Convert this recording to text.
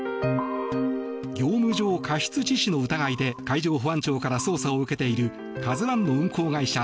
業務上過失致死の疑いで海上保安庁から捜査を受けている「ＫＡＺＵ１」の運航会社